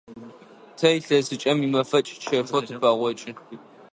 Тэ илъэсыкӏэм имэфэкӏ чэфэу тыпэгъокӏы.